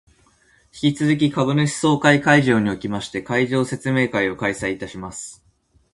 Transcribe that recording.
引き続き株主総会会場におきまして、会社説明会を開催いたします